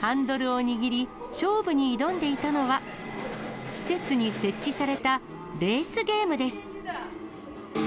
ハンドルを握り、勝負に挑んでいたのは、施設に設置されたレースゲームです。